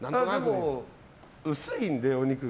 薄いので、お肉が。